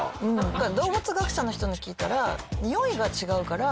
動物学者の人に聞いたらにおいが違うから。